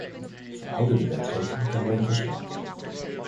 Verouderde wetgeving kan worden geschrapt.